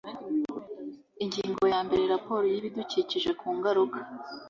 Ingingo ya mbere Raporo y ibidukikije ku ngaruka